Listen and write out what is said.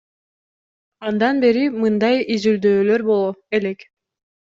Андан бери мындай изилдөөлөр боло элек.